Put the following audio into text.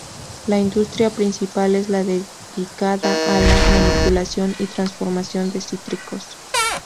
La industria principal es la dedicada a la manipulación y transformación de cítricos.